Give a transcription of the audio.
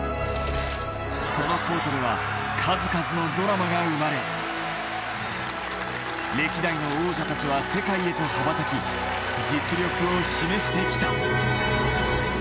そのコートでは数々のドラマが生まれ歴代の王者たちは世界へと羽ばたき実力を示してきた。